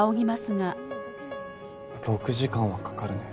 ６時間はかかるね。